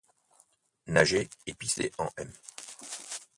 Nager et pisser en m